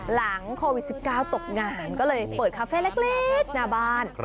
หลังโควิด๑๙ตกงานก็เลยเปิดคาเฟ่เล็กหน้าบ้าน